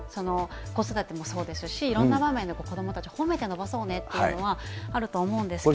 子育てもそうですし、いろんな場面で子どもたち、褒めて伸ばそうねっていうのはあると思うんですけれども。